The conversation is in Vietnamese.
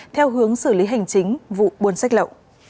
theo hướng xử lý hành chính vụ buôn sách lậu